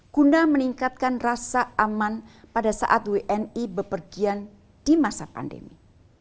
guna meningkatkan rasa aman pada saat wni bepergian di masa pandemi